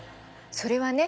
それはね